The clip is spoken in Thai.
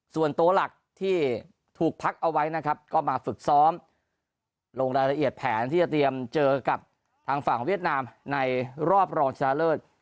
ส่วนตัวหลักที่ถูกพักเอาไว้นะครับก็มาฝึกซ้อมลงรายละเอียดแผนที่จะเตรียมเจอกับทางฝั่งเวียดนามในรอบรองชนะเลิศ